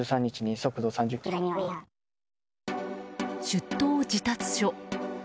出頭示達書。